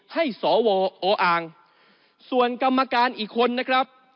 ให้สวออ่างส่วนกรรมการอีกคนนะครับ